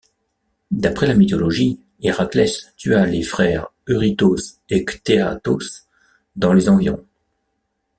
D'après la mythologie, Héraclès tua les frères Eurytos et Cteatos dans les environs.